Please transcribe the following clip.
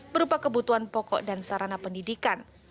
berupa kebutuhan pokok dan sarana pendidikan